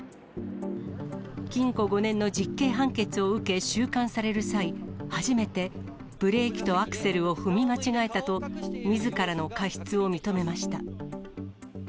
禁錮５年の実刑判決を受け、収監される際、初めて、ブレーキとアクセルを踏み間違えたと、みずからの過失を認めました。